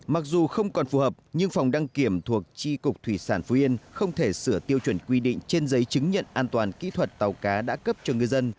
mặc dù không còn phù hợp nhưng phòng đăng kiểm thuộc tri cục thủy sản phú yên không thể sửa tiêu chuẩn quy định trên giấy chứng nhận an toàn kỹ thuật tàu cá đã cấp cho ngư dân